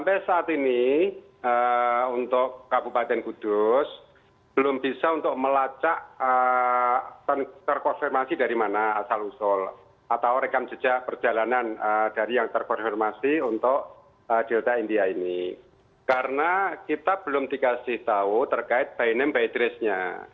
ya sampai saat ini untuk kabupaten kudus belum bisa untuk melacak